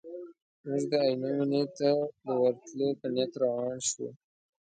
موږ د عینو مینې ته د ورتلو په نیت روان شوو.